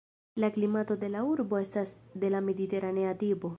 La klimato de la urbo estas de la mediteranea tipo.